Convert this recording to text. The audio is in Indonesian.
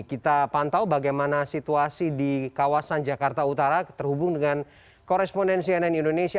kita pantau bagaimana situasi di kawasan jakarta utara terhubung dengan korespondensi nn indonesia